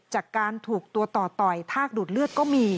จากการถูกตัวต่อต่อยทากดูดเลือดก็มี